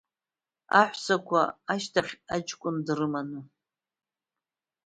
Аҳәсақәа ашьҭахь, аҷкәын дрыманы.